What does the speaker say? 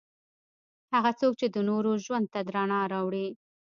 هغه څوک چې د نورو ژوند ته رڼا راوړي.